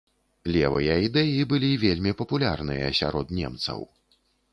Левыя ідэі былі вельмі папулярныя сярод немцаў.